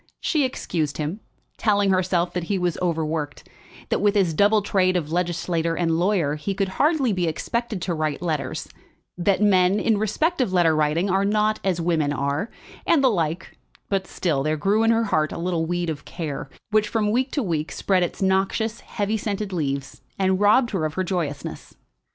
She excused him, telling herself that he was overworked, that with his double trade of legislator and lawyer he could hardly be expected to write letters, that men, in respect of letter writing, are not as women are, and the like; but still there grew at her heart a little weed of care, which from week to week spread its noxious, heavy scented leaves, and robbed her of her joyousness.